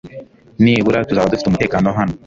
Nibura tuzaba dufite umutekano hano .